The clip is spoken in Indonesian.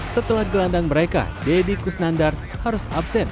setelah gelandang mereka deddy kusnandar harus absen